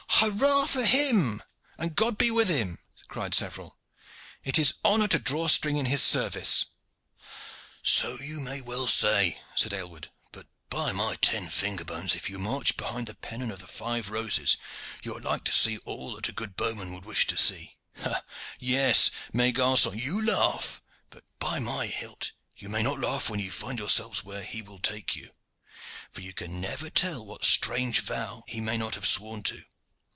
"Hurrah for him, and God be with him!" cried several. "It is honor to draw string in his service." "So you may well say," said Aylward. "By my ten finger bones! if you march behind the pennon of the five roses you are like to see all that a good bowman would wish to see. Ha! yes, mes garcons, you laugh, but, by my hilt! you may not laugh when you find yourselves where he will take you, for you can never tell what strange vow he may not have sworn to.